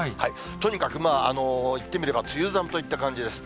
とにかくまあ、言ってみれば、梅雨寒といった感じです。